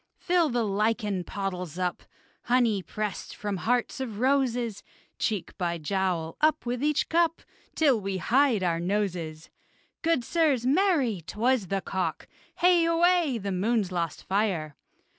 Fill the lichen pottles up, Honey pressed from hearts of roses: Cheek by jowl, up with each cup, Till we hide our noses. Good, sirs! Marry! 'Twas the cock! Hey, away! the moon's lost fire!